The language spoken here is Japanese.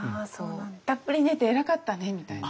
「たっぷり寝て偉かったね」みたいな。